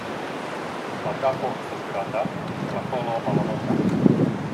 La kapo estas granda kaj la kolo mallonga.